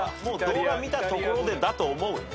もう動画見たところでだと思う。